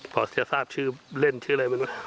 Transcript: พอเสียทราบชื่อเล่นชื่ออะไรมันไหม